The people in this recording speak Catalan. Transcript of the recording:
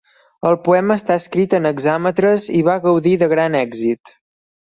El poema està escrit en hexàmetres i va gaudir de gran èxit.